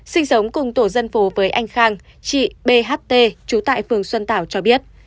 sinh sống cùng tổ dân phố với anh khang chị bht trú tại phường xuân tảo cho biết